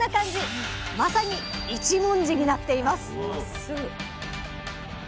まさに一文字になっています